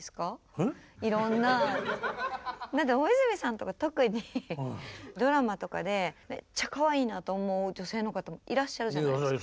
えっ？だって大泉さんとか特にドラマとかでめっちゃかわいいなと思う女性の方いらっしゃるじゃないですか。